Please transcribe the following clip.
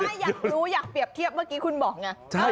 ไม่อยากรู้อยากเปรียบเทียบเมื่อกี้คุณบอกไง